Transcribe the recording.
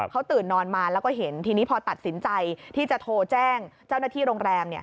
เขาตื่นนอนมาแล้วก็เห็นทีนี้พอตัดสินใจที่จะโทรแจ้งเจ้าหน้าที่โรงแรม